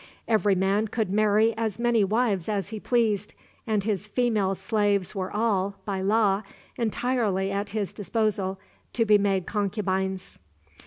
Every man could marry as many wives as he pleased, and his female slaves were all, by law, entirely at his disposal to be made concubines.